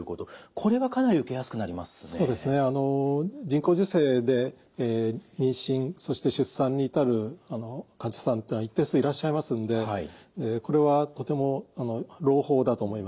人工授精で妊娠そして出産に至る患者さんというのは一定数いらっしゃいますんでこれはとても朗報だと思います。